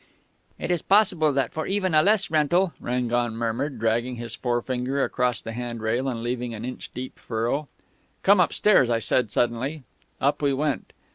"'It is possible that for even a less rental ' "Rangon murmured, dragging his forefinger across the hand rail and leaving an inch deep furrow.... "'Come upstairs,' said I suddenly.... "Up we went.